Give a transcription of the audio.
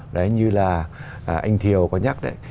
đấy như là anh thiều có nhắc đấy